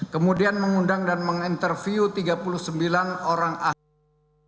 kemudian mengundang dan menginterview tiga puluh sembilan orang ahli